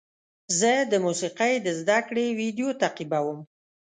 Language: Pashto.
زه د موسیقۍ د زده کړې ویډیو تعقیبوم.